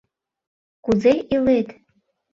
— Кузе илет?